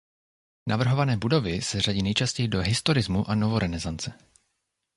Navrhované budovy se řadí nejčastěji do historismu a novorenesance.